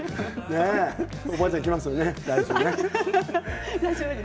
おばあちゃん来ますよね、来週。